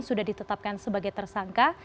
sudah ditetapkan sebagai tersangka